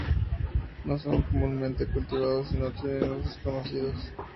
No son comúnmente cultivados y no tienen usos conocidos.